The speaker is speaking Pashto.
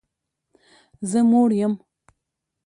زه موړ یم